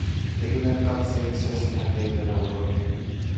Ja ylenkatseellisesti hän heille nauroi.